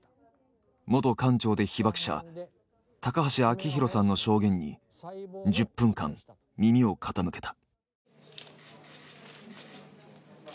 元館長で被爆者高橋昭博さんの証言に１０分間耳を傾けた。